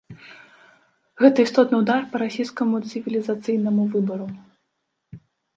Гэта істотны ўдар па расійскаму цывілізацыйнаму выбару.